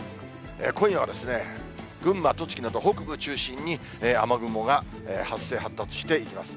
今夜は群馬、栃木など北部中心に、雨雲が発生、発達していきます。